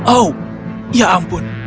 oh ya ampun